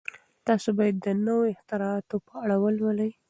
تاسي باید د نویو اختراعاتو په اړه ولولئ.